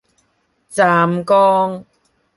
湛江